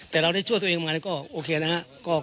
แต่เราได้ช่วยตัวเองมาก็โอเคนะครับ